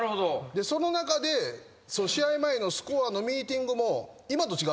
その中で試合前のスコアのミーティングも今と違って